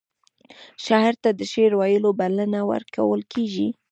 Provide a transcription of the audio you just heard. شاعر ته د شعر ویلو بلنه ورکول کیږي.